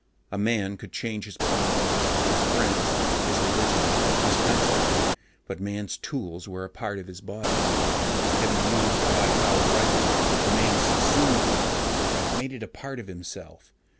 A man could change his politics, his friends, his religion, his country, but Man's tools were a part of his body. Having used a high powered rifle, the man subsumed the weapon, made it a part of himself.